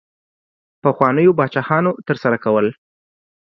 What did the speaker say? پخوانیو پاچاهانو ترسره کول.